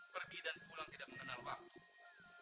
pergi dan pulang tidak mengenal waktu